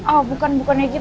oh bukan bukannya gitu